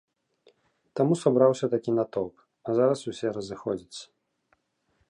Таму сабраўся такі натоўп, а зараз усе разыходзяцца.